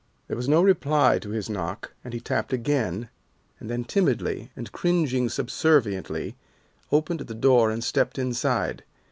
There was no reply to his knock, and he tapped again, and then timidly, and cringing subserviently, opened the door and stepped inside.